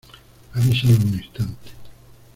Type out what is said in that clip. la vi solo un instante